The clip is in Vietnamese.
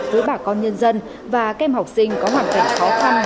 với bà con nhân dân và kem học sinh có hoàn cảnh khó khăn